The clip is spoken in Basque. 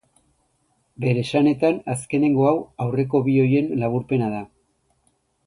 Bere esanetan, azkenengo hau, aurreko bi horien laburpena da.